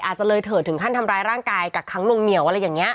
อาจจะเลยเถิดถึงขั้นทำร้ายร่างกายกักขังนวงเหนียวอะไรอย่างนี้